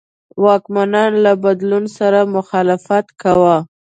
واکمنان له بدلون سره مخالفت کاوه.